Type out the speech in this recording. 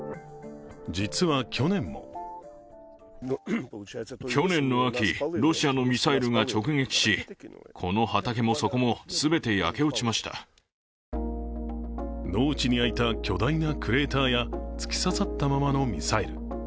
実は去年も農地にあいた巨大なクレーターや突き刺さったままのミサイル。